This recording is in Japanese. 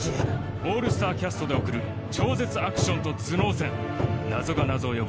オールスターキャストで送る超絶アクションと頭脳戦謎が謎を呼ぶ